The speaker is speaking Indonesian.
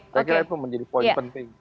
jadi itu menjadi poin penting